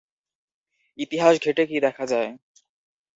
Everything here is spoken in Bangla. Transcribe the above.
ইতিহাস ঘেঁটে কি দেখা যায়?